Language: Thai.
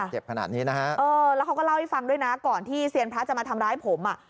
ใช่ค่ะแล้วเขาก็เล่าให้ฟังด้วยนะก่อนที่เซียนพระจะมาทำร้ายผม